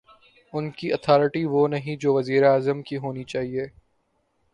ان کی اتھارٹی وہ نہیں جو وزیر اعظم کی ہونی چاہیے۔